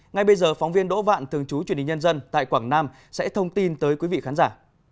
ngay bây giờ phóng viên đỗ vạn thường chú truyền hình nhân dân tại quảng nam sẽ thông tin tới quý vị khán giả